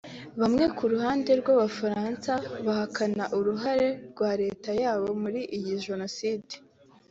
Bamwe ku ruhande rw’Ubufaransa bahakana uruhare rwa Leta yabo muri iyi Jenoside